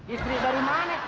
istri dari mana